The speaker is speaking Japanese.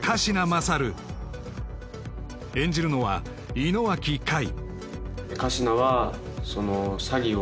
将演じるのは井之脇海